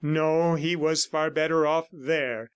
No, he was far better off there